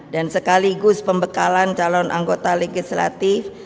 dan sekaligus pembekalan calon anggota legislatif